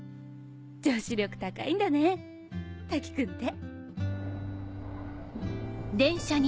女子力高いんだね瀧くんって。